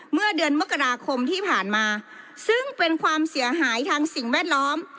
เมื่อเดือนมกราคมที่ผ่านมาซึ่งเป็นความเสียหายทางสิ่งแวดล้อม